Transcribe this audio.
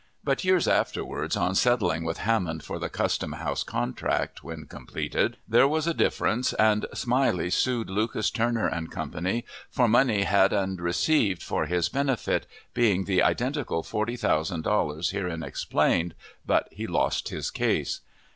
But, years afterward, on settling with Hammond for the Custom House contract when completed, there was a difference, and Smiley sued Lucas, Turner & Co. for money had and received for his benefit, being the identical forty thousand dollars herein explained, but he lost his case.